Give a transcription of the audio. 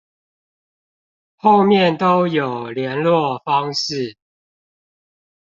後面都有連絡方式